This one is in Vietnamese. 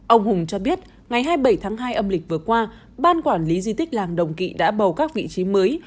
ông hùng cho biết ngày hai mươi bảy tháng hai âm lịch vừa qua ban quản lý di tích làng đồng kỵ đã bầu các vị trí mới